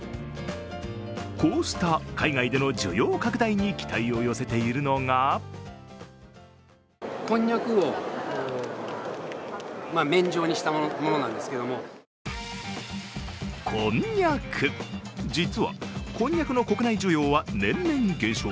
こうした海外での需要拡大に期待を寄せているのがこんにゃく、実はこんにゃくの国内需要は年々減少。